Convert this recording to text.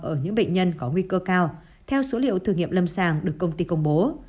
ở những bệnh nhân có nguy cơ cao theo số liệu thử nghiệm lâm sàng được công ty công bố